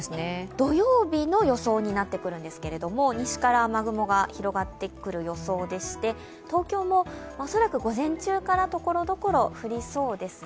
土曜日の予想になってくるんですけど、西から雨雲が広がってくる予想でして、東京も恐らく午前中からところどころ降りそうですね。